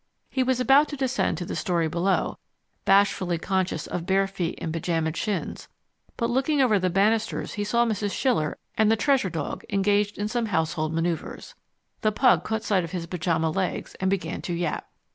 He was about to descend to the storey below, bashfully conscious of bare feet and pyjamaed shins, but looking over the banisters he saw Mrs. Schiller and the treasure dog engaged in some household manoeuvres. The pug caught sight of his pyjama legs and began to yap.